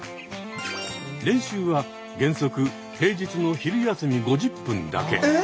練習は原則平日の昼休み５０分だけ。